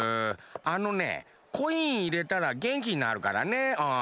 あのねコインいれたらげんきになるからねうん。